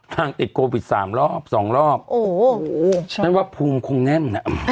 ติดโควิด๓รอบ๒รอบนั่นว่าภูมิคงแน่น